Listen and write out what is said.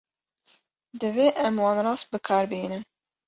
Divê em wan rast bi kar bînin.